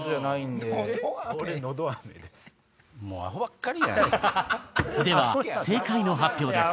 では正解の発表です。